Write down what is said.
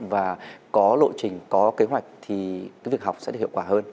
và có lộ trình có kế hoạch thì cái việc học sẽ được hiệu quả hơn